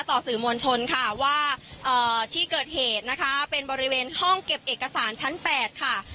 ต่อสื่อมวลชนค่ะว่าที่เกิดเหตุนะคะเป็นบริเวณห้องเก็บเอกสารชั้น๘ค่ะ